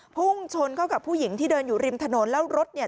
พุ่งชนเข้ากับผู้หญิงที่เดินอยู่ริมถนนแล้วรถเนี่ย